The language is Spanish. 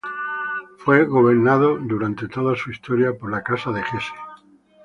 Fue gobernado durante toda su historia por la Casa de Hesse.